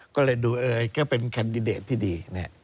ก็เลยดูก็เป็นแคนดิเดตที่ดี